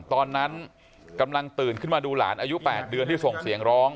ตอนนั้นกำลังตื่นขึ้นมาดูหลานอายุ๘เดือนที่ส่งเสียงร้อง